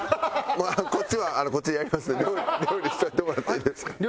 こっちはこっちでやりますんで料理しといてもらっていいですか？